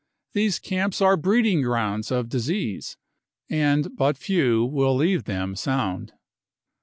These camps are breeding grounds of disease, and but few will leave them sound.